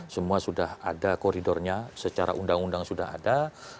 semua sudah ada koridornya secara undang undang sudah ada